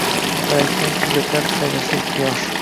Falakdan kuzatar faylasuf quyosh